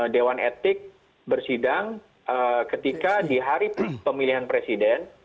dewan etik bersidang ketika di hari pemilihan presiden